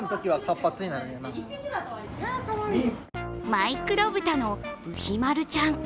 マイクロブタのぶひまるちゃん。